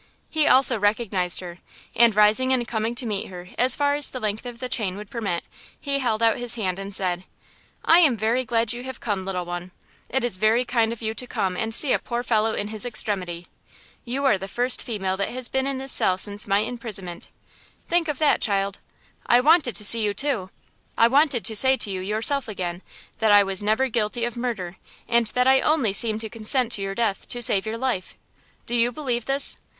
He also recognized her, and rising and coming to meet her as far as the length of the chain would permit, he held out his hand and said: "I am very glad you have come, little one; it is very kind of you to come and see a poor fellow in his extremity! You are the first female that has been in this cell since my imprisonment. Think of that, child! I wanted to see you, too, I wanted to say to you yourself again, that I was never guilty of murder, and that I only seemed to consent to your death to save your life! Do you believe this?